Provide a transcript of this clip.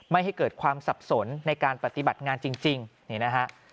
ไม่ให้เกิดความสับสนในการปฏิบัติงานจริงนี่นะฮะ